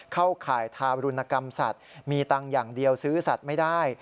เข้าข่ายทารุณกรรมสัตว์มีตังค์อย่างเดียวซื้อสัตว์ไม่ได้